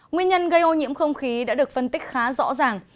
nguyên nhân gây ô nhiễm không khí đã được phân tích khá rõ ràng